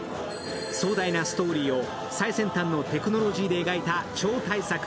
壮大なストーリーを最先端のテクノロジーで描いた超大作。